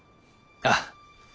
ああ。